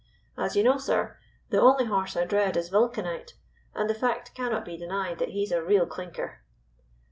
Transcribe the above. As you know, sir, the only horse I dread is Vulcanite, and the fact cannot be denied that he's a real clinker."